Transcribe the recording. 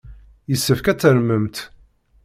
Yessefk ad tarmemt.